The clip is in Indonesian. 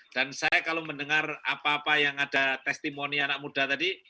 dan saya kalau mendengar apa apa yang ada testimoni anak muda tadi